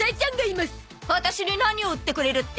ワタシに何を売ってくれるって？